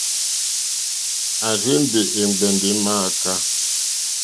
À rzé-mbè è ŋgbɛ̀ndɛ̀ è mááká.